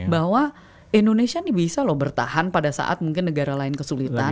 bahwa indonesia ini bisa loh bertahan pada saat mungkin negara lain kesulitan